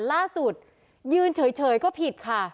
ล่าสุดยืนเฉยก็ผิดค่ะ